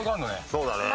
そうだね。